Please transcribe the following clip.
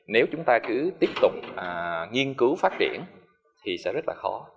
nếu chúng ta cứ tiếp tục nghiên cứu phát triển thì sẽ rất là khó